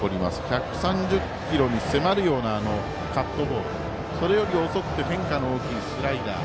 １３０キロに迫るようなカットボール、それより遅くて変化の大きいスライダー。